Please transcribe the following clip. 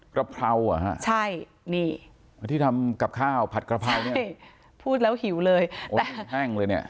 กระเพราเหรอฮะใช่นี่ที่ทำกับข้าวผัดกระเพราเนี่ยพูดแล้วหิวเลยแต่แห้งเลยเนี่ย